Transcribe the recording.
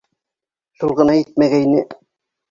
Шул ғына етмәгәйне.